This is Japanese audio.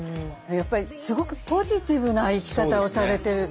やっぱりすごくポジティブな生き方をされてる。